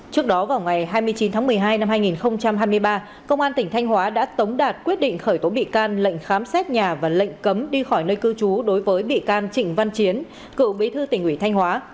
trước đó vào ngày hai mươi chín tháng một mươi hai năm hai nghìn hai mươi ba công an tỉnh thanh hóa đã tống đạt quyết định khởi tố bị can lệnh khám xét nhà và lệnh cấm đi khỏi nơi cư trú đối với bị can trịnh văn chiến cựu bí thư tỉnh ủy thanh hóa